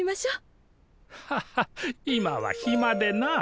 ハハッ今はひまでなあ。